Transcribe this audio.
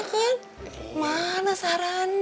cuman kan kalau saran saran soal masalah kayak gini